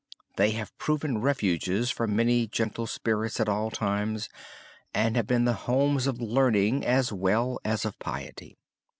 They have proven refuges for many gentle spirits at all times and have been the homes of learning, as well as of piety.